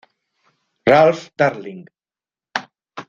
Ralph Darling.